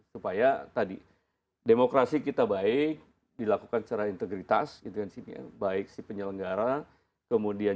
supaya tadi demokrasi kita baik dilakukan secara integritas baik si penyelenggara kemudian